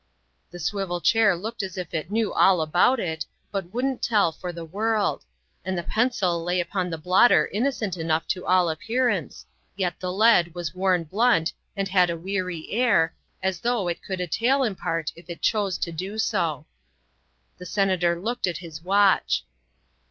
The swivel chair looked as if it knew all about it but wouldn't tell for the world, and the pencil lay upon the blotter innocent enough to all appearance, yet the lead was worn blunt and had a weary air, as though it could a tale impart if it chose to do so. The Senator looked at his watch.